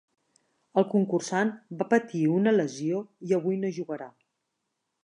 El concursant va patir una lesió i avui no jugarà.